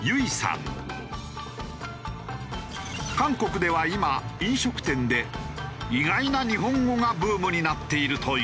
韓国では今飲食店で意外な日本語がブームになっているという。